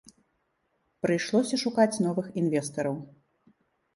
Прыйшлося шукаць новых інвестараў.